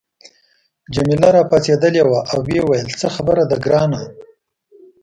جميله راپاڅیدلې وه او ویې ویل څه خبره ده ګرانه.